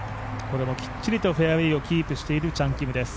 これもしっかりとフェアウエーをキープしているチャン・キムです。